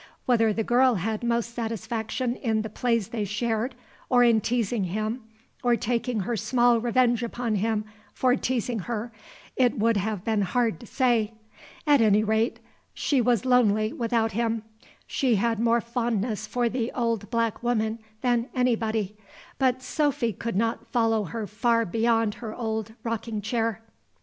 Whether the girl had most satisfaction in the plays they shared, or in teasing him, or taking her small revenge upon him for teasing her, it would have been hard to say. At any rate, she was lonely without him. She had more fondness for the old black woman than anybody; but Sophy could not follow her far beyond her own old rocking chair.